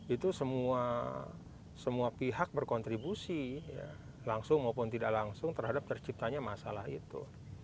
itu semua pihak berkontribusi langsung maupun tidak langsung terhadap terciptanya masalah itu